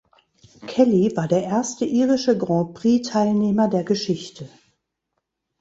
Kelly war der erste irische Grand-Prix-Teilnehmer der Geschichte.